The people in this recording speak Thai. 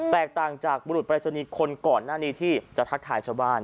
แตกต่างจากบุรุษปรายศนีย์คนก่อนหน้านี้ที่จะทักทายชาวบ้าน